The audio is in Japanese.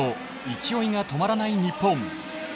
勢いが止まらない日本。